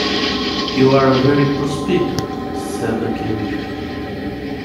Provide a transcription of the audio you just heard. ‘You’re a very poor speaker,’ said the King.